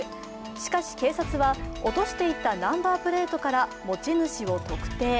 しかし、警察は落としていったナンバープレートから持ち主を特定。